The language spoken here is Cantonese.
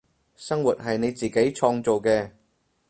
生活係你自己創造嘅